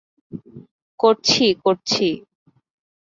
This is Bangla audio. করছি, করছি!